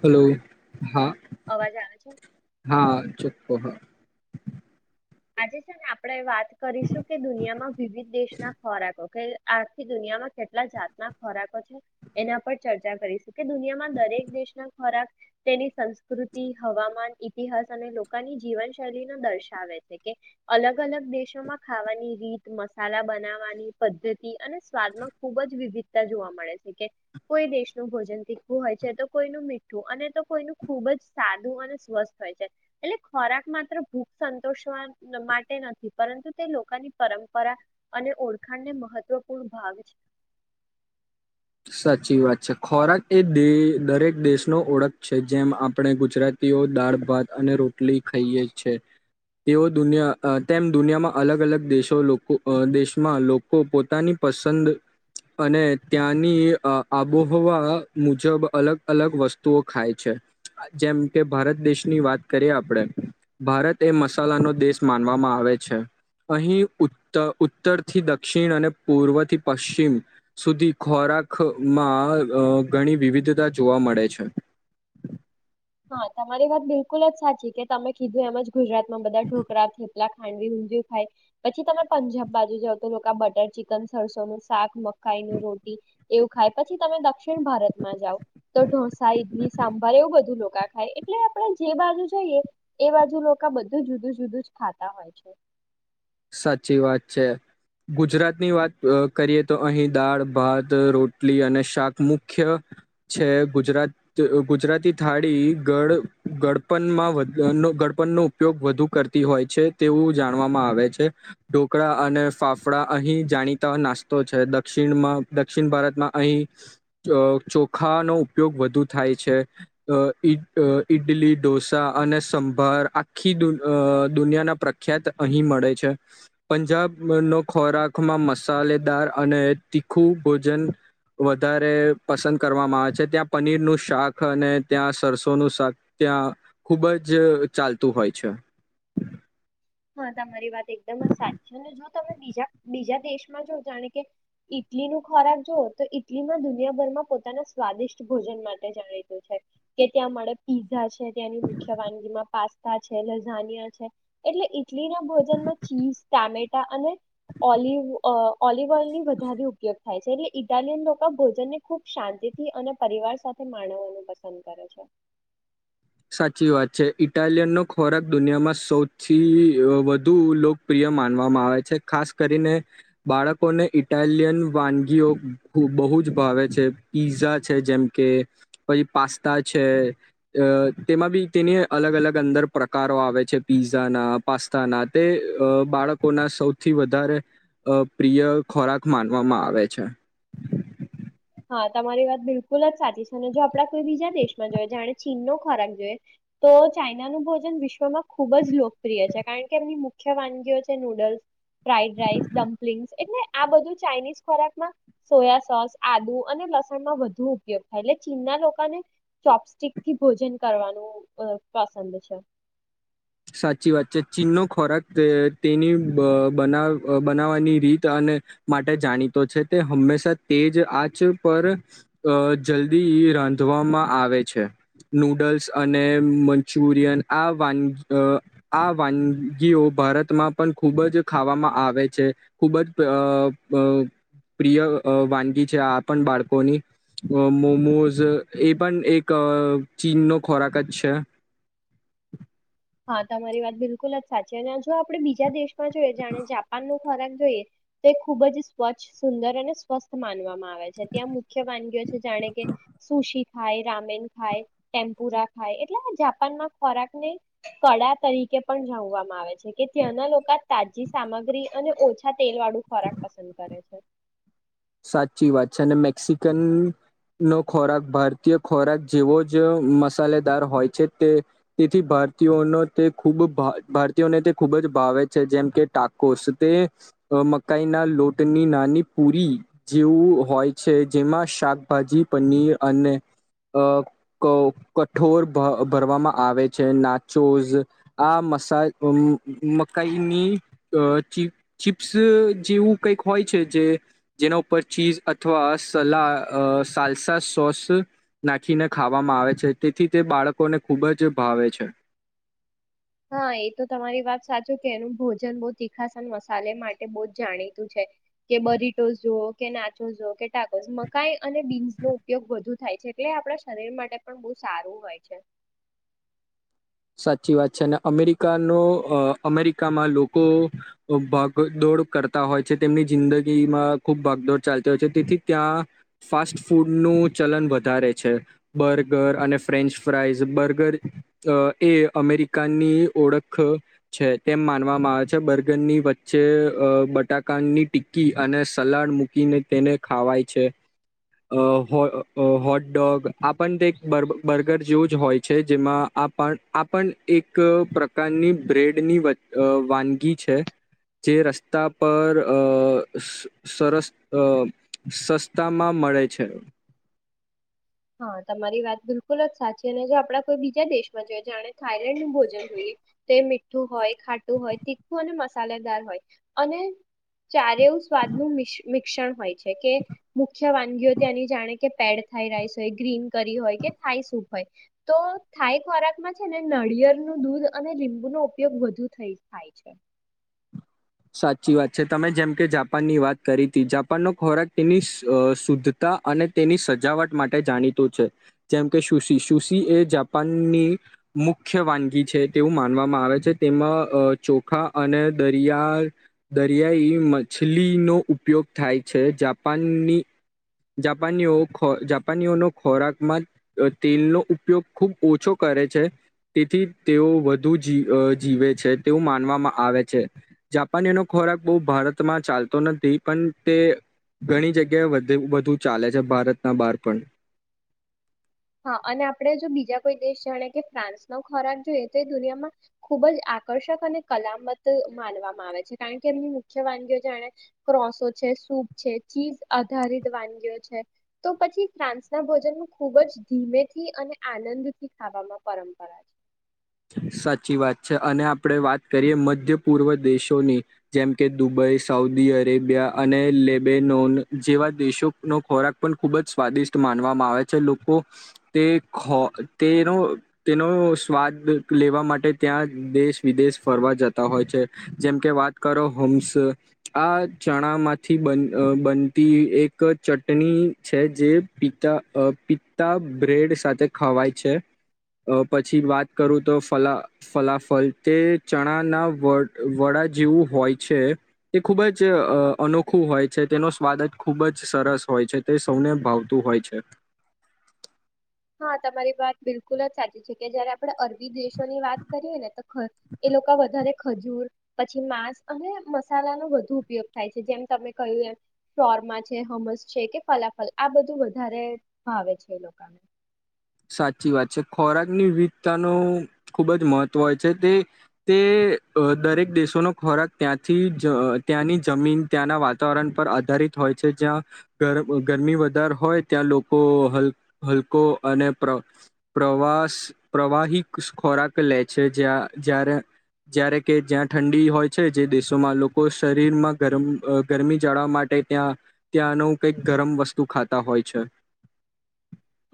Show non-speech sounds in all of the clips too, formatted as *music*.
Hello હા અવાજ આવે છે હા ચપો હા. આજે છેને આપણેે વાત કરીશું કે દુનિયામાં વિવિધ દેશના ખોરાકો કે આજથી દુનિયામાં કેટલા જાતના ખોરાકો છે એના પર ચર્ચા કરીશું, કે દુનિયામાં દરેક દેશ ના ખોરાક તેની સંસ્કૃતિ હવામાન ઈતિહાસ અને લોકોની જીવનશૈલી ન દર્શાવે છે. કે અલગ અલગ દેશોમાં ખાવાની રીત મસાલા બનાવવાની પદ્ધતિ અને સ્વાદમાં ખુબ જ વિવિધતા જોવા મળે છે કે કોઈ દેશનું ભોજન તીખવું હોય છે, તો કોઈનું મીઠું, અને તો કોઈનું ખુબ જ સાદું અને સ્વસ્થ હોય છે એટલે ખોરાક માત્ર ભૂખ સંતષવા માટે નથી પરંતુ તે લોકોની પરંપરા અને ઓળખાણને મહત્વપૂર્ણ ભાગ છે. સાચી વાત છે ખોરાક એ દ દરેક દેશનો ઓળખ છે, જેમ આપણે ગુજરાતીઓ દાળ ભાત અને રોટલી ખાઈએ છે, તેઓ દુનિયા તેમ દુનિયામાં અલગ અલગ દેશો લોકો દેશમાં લોકો પોતાની પસંદ અને. ત્યાંની આબોહવા મુજબ અલગ અલગ વસ્તુઓ ખાય છે, જેમ કે ભારત દેશની વાત કરીએ આપણે ભારત એ મસાલાનો દેશ માનવામાં આવે છે. અહીં ઉત્ત ઉત્તરથી-દક્ષિણ અને પૂર્વથી-પશ્ચિમ સુધી. ખોરાકમાં ઘણી વિવિધતા જોવા મળે છે. હા તમારી વાત બિલકુલ જ સાચી કે તમે કીધું એમજ. ગુજરાત માં બધા ઢોકળા, થાપલા ખાંડવી, ઊંધિયું ખાય પછી તમે પંજાબ બાજુ જાવ તો લોકો બટર ચિકન, સરસો નું શાક, મકાઈ નું રોટી એવું ખાય પછી તમે દક્ષિણ ભારતમાં જાવ તો ઢોસા, ઈડલી, સાંભાર એવું બધું ખાય ય એટલે આપણે જે બાજુ જોઈએ એ બાજુ લોકો બધું જુદું-જુદું જ ખાતા હોય છે. સાચી વાત છે, ગુજરાતની વાત કરીએ તો અહીં દાળ ભાત રોટલી અને શાક મુખ્ય છે, ગુજરાત ગુજરાતી થાળી ગળ ગડપનમાં ગડપણનો ઉપયોગ વધુ કરતી હોય છે તેવું જાણવામાં આવે છે. એ ઢોકળા અને ફાફડા અહીં જાણીતા નાસ્તો છે, દક્ષિણમાં દક્ષિણ ભારતમાં અહીં ચો ચોખાનો ઉપયોગ વધુ થાય છે અ ઈ અ ઈડલી, ઢોસા અને સંભાર આખી દુનિયાના પ્રખ્યાત અહીં મળે છે. પંજાબનો ખોરાકમાં મસાલેદાર અને તીખું ભોજન વધારે પસંદ કરવામાં આવે છે, ત્યાં પનીરનું શાક અને ત્યાં સરસોનું શાક ત્યાં ખૂબ જ ચાલતું હોય છે. હા તમારી વાત એકદમ જ સાચ ને જો તમે બીજા બીજા દેશમાં જો જાણે કે ઈટલી નો ખોરાક જોઓ તો ઈટલીમાં દુનિયાભરમાં પોતાના સ્વાદિષ્ટ ભોજન માટે જાણીતું છે, કે ત્યાં મળે પીઝા છે, ત્યાંની મુખ્ય વાનગીમાં પાસ્તા છે, લઝાનિયા છે. એટલે ઇટલીના ભોજનમાં ચીઝ, ટામેટા અને ઓલિવ ઓલિવ ઓઇલની વધારે ઉપયોગ થાય છે એટલે ઇટાલિયન લોકો ભોજનને ખુબ શાંતિથી અને પરિવાર સાથે માણવવાનું પસંદ કરે છે. સાચી વાત છે ઇટાલિયનનો ખોરાક દુનિયામાં સૌથી વધુ લોકપ્રિય માનવામાં આવે છે, ખાસ કરીને બાળકોને ઇટાલિયન વાનગીઓ બહુ જ ભાવે છે પીઝા છે જેમ કે પછી પાસ્તા છે અ તેમાં બી તેની અલગ અલગ અંદર પ્રકારો આવે છે પીઝાના, પાસ્તાના તે બાળકોના સૌથી વધારે પ્રિય ખોરાક માનવામાં આવે છે. હા તમારી વાત બિલકુલ જ સાચી છે અને જો આપડા કોઈ બીજા દેશમાં જોઈએ જાણે ચીનનો ખોરાક જોઈએ, તો ચાઈનાનું ભોજન વિશ્વમાં ખુબ જ લોકપ્રિય છે કારણ કે એમની મુખ્ય વાનગીઓ છે નૂડલ્સ ફ્રાઈડ રાઈસ, ડમ્પ્લિંગસ એટલે આ બધું ચાઇનીઝ ખોરાકમાં સોયા સોસ આદુ અને લસણનો વધુ ઉપયોગ થાય એટલે ચીનના લોકોને ચોપસ્ટિકથી ભોજન કરવાનું પસંદ છે. સાચી વાત છે ચીનનો ખોરાક તેની બનાવ બનાવવાની રીત અને માટે જાણીતો છે, તે હંમેશા તેજ આચ પર અ જલ્દી રાંધવામાં આવે છે નૂડલ્સ અને મંચુરિયન આ વાન અ આ વાનગીઓ ભારતમાં પણ ખૂબ જ ખાવામાં આવે છે ખૂબ જ પ્ર પ પ્રિય વાનગી છે, આ પણ બાળકોની મોમોઝ એ પણ એક ચીનનો ખોરાક જ છે. હા તમારી વાત બિલકુલ જ સાચી અને જો આપડે બીજા દેશમાં જોઈ જાણે જાપાન નો ખોરાક જોઈએ, તો એ ખુબ જ સ્વચ્છ, સુંદર અને સ્વસ્થ માનવામાં આવે છે ત્યાં મુખ્ય વાનગીઓ છે જાણે કે સુશી ખાય, રામેન ખાય, ટેમ્પુરા ખાય એટલે જાપાનમાં ખોરાકને કળા તરીકે પણ જાણવામાં આવે છે કે ત્યાંના લોકો તાજી સામગ્રી અને ઓછા તેલ વાળું ખોરાક પસંદ કરે છે. સાચી વાત છે ને મેક્સિકન નો ખોરાક ભારતીય ખોરાક જેવો જ મસાલેદાર હોય છે, તે તેથી ભારતીયોનો તે ખૂબ ભારતીયોને તે ખૂબ જ ભાવે છે જેમ કે ટાકોસ તે મકાઈના લોટની નાની પૂરી. જેવું હોય છે જેમાં શાકભાજી, પનીર અને અ કઠોર ધરવામાં આવે છે, નાચોઝ આ મસા મકાઈની ચીપ્સ જેવું કઈક હોય છે જે જેના ઉપર ચીઝ અથવા સલા સાલસા સોસ નાખીને ખાવામાં આવે છે તેથી તે બાળકોને ખૂબ જ ભાવે છે. હા એ તો તમારી વાત સાચું કે એનું ભોજન બઉ તીખાસન મસાલે માટે બવ જ જાણીતું છે કે બરીટો જો કે નાચો જો કે ટાકો મકાઈ અને બીન્સનો ઉપયોગ વધુ થાય છે એટલે આપડા શરીર માટે પણ બહુ સારું હોય છે. સાચી વાત છે અને અમેરિકાનો અમેરિકામાં લોકો ભાગદોડ કરતા હોય છે તેમની જિંદગીમાં ખૂબ ભાગદોડ ચાલતી હોય છે તેથી ત્યાં ફાસ્ટ ફૂડનું ચલન વધારે છે બર્ગર અને ફ્રેન્ચ ફ્રાઇઝ બર્ગર એ અમેરિકાની ઓળખ છે તેમ માનવામાં આવે છે બર્ગરની વચ્ચે અ બટાકાની ટિક્કી અને સલાડ મૂકીને તેને ખાવાય છે અ હોટડોગ આ પણ તે બ બર્ગર જેવું જ હોય છે જેમાં આ પણ આ પણ એક પ્રકારની બ્રેડની વ અ વાનગી છે જે રસ્તા પર અ સરસ અ સસ્તામાં મળે છે. હા તમારી વાત બિલકુલ જ સાચી ને જો આપડા કોઈ બીજા દેશમાં જોઈ જાણે થાઈલેન્ડ નું ભોજન જોઈએ તો મીઠું હોય ખાટું હોય તીખું અને મસ સાલેદાર હોય અને ચારેય સ્વાદ નું મિસ મિક્સન હોય છે કે મુખ્ય વાનગીઓ ત્યાંની જાણે કે પેડ થાય રહી. ગ્રીન કરી હોય કે થાય સૂપ હોય તો થાઈ ખોરાકમાં છે ને નળિયળનું દૂધ અને લીંબુનો ઉપયોગ વધુ થઈ થાય છે. સાચી વાત છે તમે જેમ કે જાપાનની વાત કરી તી જાપાનનો ખોરાક તેની શુદ્ધતા અને તેની સજાવટ માટે જાણીતો છે જેમકે સુશી સુશી એ જાપાનની મુખ્ય વાનગી છે તેવું માનવામાં આવે છે તેમાં અ ચોખા અને દરિયા આ દરિયાઈ મછલીનો ઉપયોગ થાય છે જાપાનની જાપાનીઓ ખો જાપાનીઓનો ખોરાકમાં તેલનો ઉપયોગ ખૂબ ઓછો કરે છે તેથી તેઓ વધુ જ જીવે છે તેવું માનવામાં આવે છે. જાપાનીનો ખોરાક બઉ ભારતમાં ચાલતો નથી પણ તે ઘણી જગ્યાએ વધુ વધુ ચાલે છે ભારતના બહાર પણ. હા અને આપણે જો બીજા કોઈ દેશ જાણે કે ફ્રાન્સ નો ખોરાક જોઈએ તો એ દુનિયામાં ખુબ જ આકર્ષક અને કલામત માનવામાં આવે છે કારણ કે એમની મુખ્ય વાનગીઓ જાણે ક્રોસો છે સૂપ છે ચીઝ આધારિત વાનગીઓ છે તો પછી ફ્રાન્સ ના ભોજન નું ખુબ જ ધીમેથી અને આનંદથી ખાવામાં પરંપરા છે. સાચી વાત છે અને આપડે વાત કરીએ મધ્ય પૂર્વ દેશોની જેમ કે દુબઈ સાઉદી અરેબિયા અને લેબેનોન જેવા દેશોનો ખોરાક પણ ખૂબ જ સ્વાદિષ્ટ માનવામાં આવે છે લોકો તે ખો તેનો તેનો સ્વાદ લેવા માટે ત્યાં દેશ વિદેશ ફરવા જતા હોય છે જેમકે વાત કરો હમ્સ આ ચણામાંથી બન બનતી એક ચટણી છે જે પિત્તા પિત્તા બ્રેડ સાથે ખવાય છે પછી વાત કરું તો ફલા ફલાફલ તે ચણાના વ વડા જેવું હોય છે તે ખૂબ જ અનોખું હોય છે તેનો સ્વાદ જ ખૂબ જ સરસ હોય છે તે સૌને ભાવતું હોય છે. હા તમારી વાત બિલકુલ જ સાચી છે કે જયારે આપડે અરબી દેશોની વાત કરીએ ને તો એ લોકો વધારે ખજૂર પછી માંસ અને મસાલાનો વધુ ઉપયોગ થાય છે જેમ તમે કહ્યું એમ શોરમા છે હમસ છે કે ફલાફલ આ બધું વધારે ભાવે છે એ લોકોને. સાચી વાત છે ખોરાકની વિવિધતાનું ખૂબ જ મહત્ત્વ હોય છે તે તે દરેક દેશોનો ખોરાક ત્યાંથી જ ત્યાંની જમીન ત્યાંના વાતાવરણ પર આધારિત હોય છે જ્યાં ગર ગરમી વધાર હોય ત્યાં લોકો હલ હલકો અને પ્ર પ્રવાસ પ્રવાહી ખોરાક લે છે જ્યાં જ્યારે જ્યારે કે જ્યાં ઠંડી હોય છે જે દેશોમાં લોકો શરીરમાં ગરમ ગરમી જળાવ માટે ત્યાં ત્યાંનું કંઈક ગરમ વસ્તુ ખાતા હોય છે.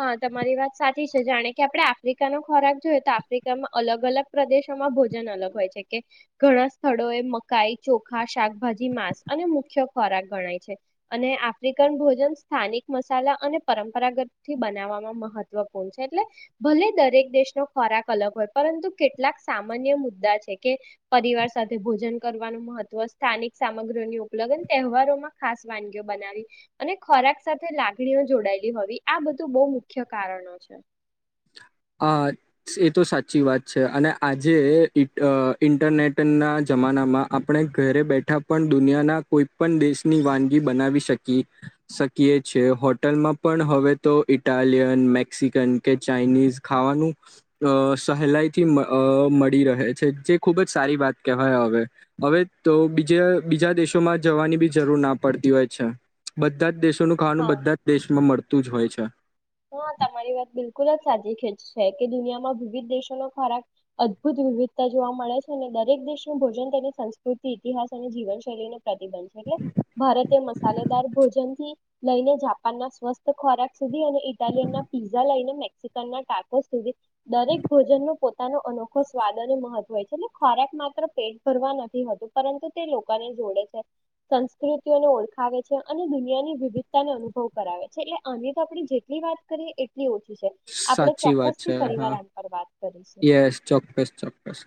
હા તમારી વાત સાચી છે જાણે કે આપડે આફ્રિકાનો ખોરાક જોઈએ તો આફ્રિકામાં અલગ-અલગ પ્રદેશોમાં ભોજન અલગ હોય છે. કે ઘણા સ્થળો એ મકાઈ ચોખા શાકભાજી માંસ અને મુખ્ય ખોરાક ગણાય છે. અને આફ્રિકન ભોજન સ્થાનિક મસાલા અને પરંપરાગત થી બનાવવામાં મહત્વપૂર્ણ છે એટલે ભલે દરેક દેશનો ખોરાક અલગ હોય પરંતુ કેટલાક સામાન્ય મુદ્દા છે કે પરિવાર સાથે ભોજન કરવાનું મહત્વ સ્થાનિક સામગ્રીઓની ઉપલગ્ન તહેવારોમાં ખાસ વાનગીઓ બનાવી અને ખોરાક સાથે લાગણીઓ જોડાયેલી હોવી આ બધું બઉ મુખ્ય કારણો છે. આ એ તો સાચી વાત છે અને આજે ઇન્ટ ઇન્ટરનેટના જમાનામાં આપણે ઘરે બેઠા પણ દુનિયાના કોઈ પણ દેશની વાનગી બનાવી શકી શકીએ છે હોટલમાં પણ હવે તો ઇટાલિયન મેક્સિકન કે ચાાઈનીઝ ખાવાનું અ સહેલાઈથી અ મળી રહે છે જે ખૂબ જ સારી વાત કહેવાય હવે હવે તો બીજ બીજા દેશોમાં જવાની બી જરૂર ના પડતી હોય છે બધા જ દેશ નું ખાવાનું હા બધા જ દેશમાં મળતું જ હોય છે. *inaudible* હા તમારી વાત બિલકુલ જ સાચી ખેલ કે દુનિયામાં વિવિધ દેશો નો ખોરાક અદભુત વિવિધતા જોવા મળે છે અને દરેક દેશનું ભોજન તેની સંસ્કૃતિ ઇતિહાસ અને જીવનશૈલીને પ્રતિબંધ છે. એટલે ભારતીય મસા મલેદાર ભોજન થી લઈને જાપાન ના સ્વસ્થ ખોરાક સુધી અને ઇટાલિય ના પીઝા લઈને મેક્સિકન ના ટાકો સુધી દરેક ભોજનનો પો પોતાનો અનોખો સ્વાદ અને મહત્વ હો છે એટલે ખોરાક માત્ર પેટ ભરવા નથી હોતું પરંતુ તે લોકોને જોડે છે સંસ્કૃતિઓને ઓળખાવે છે અને દુનિયાની વિવિધતાને અનુભવ કરાવે છે એટલે આને તો આપ જે ની વાત કરીએ ઓછી છે. આપણે સાચી વાત ચોક્કસથી છે હા ફરરીવાર આના પર વાત કરીશું. યસ ચોક્કસ, ચોક્કસ.